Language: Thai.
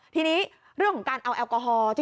ทีนี้เรื่องของการเอาแอลกอฮอล์